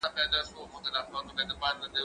زه اجازه لرم چي بازار ته ولاړ سم؟!